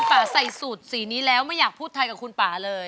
ป่าใส่สูตรสีนี้แล้วไม่อยากพูดไทยกับคุณป่าเลย